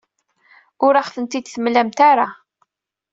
Ur aɣ-tent-id-temlamt ara.